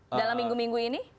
dalam minggu minggu ini